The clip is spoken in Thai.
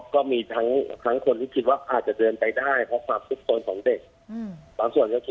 ก็มีทั้งคนที่คิดว่าอาจจะเดินไปได้เพราะความสุขสนของเด็กบางส่วนก็คือ